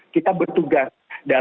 kita bertugas dalam satu hari